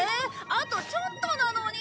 あとちょっとなのに！